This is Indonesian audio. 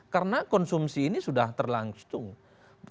karena konsumsi ini sudah terlanjur